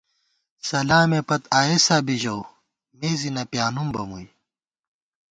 سلامےپت “آیېسا” بی ژَؤ، مےزی نہ پیانُم بہ مُوئی